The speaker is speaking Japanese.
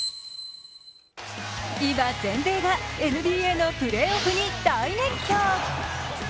今、全米がＮＢＡのプレーに大熱狂。